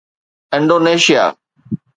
Indonesia